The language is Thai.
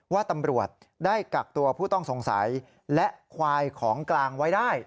ว่าตำรวจได้กักตัวผู้ต้องสงสัยและควายของกลางไว้ได้